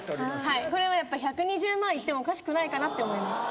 はいこれはやっぱ１２０万いってもおかしくないかなって思います